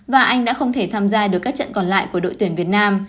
và anh đã không thể tham gia được các trận còn lại của đội tuyển việt nam